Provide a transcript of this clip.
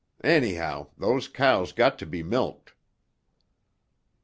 Anyhow, those cows got to be milked."